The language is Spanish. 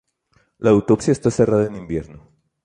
La autopista está cerrada en invierno.